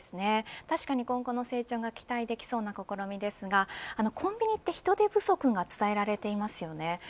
確かに今後の成長が期待できそうな試みですがコンビニは人手不足が伝えられていますよね。